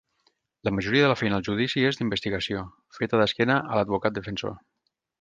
La majoria de la feina al judici és d'investigació, feta d'esquena a l'advocat defensor.